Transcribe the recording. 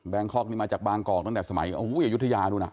แบงคอกนี่มาจากบางกอกตั้งแต่สมัยอยุธยาดูนะ